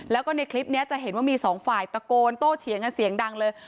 แล้วก็ในคลิปนี้จะเห็นว่ามีสองฝ่ายตะโกนโต้เถียงกันเสียงดังเลย